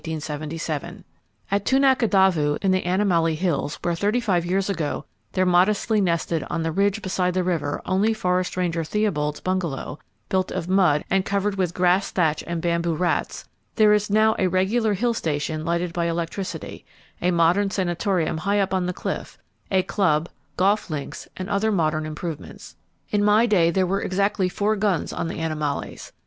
At Toonacadavoo, in the Animallai Hills where thirty five years ago [Page 189] there modestly nestled on the ridge beside the river only Forest Ranger Theobold's bungalow, built of mud and covered with grass thatch and bamboo rats, there is now a regular hill station lighted by electricity, a modern sanatorium high up on the bluff, a club, golf links, and other modern improvements. In my day there were exactly four guns on the Animallais.